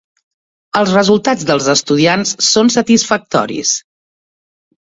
Els resultats dels estudiants són satisfactoris.